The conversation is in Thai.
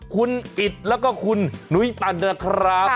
คุณอิตแล้วก็คุณนุ้ยตันนะครับ